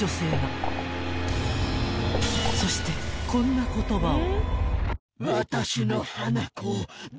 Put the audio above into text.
［そしてこんな言葉を］